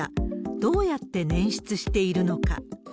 どうやってねん出しているのか。